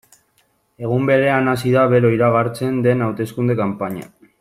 Egun berean hasi da bero iragartzen den hauteskunde kanpaina.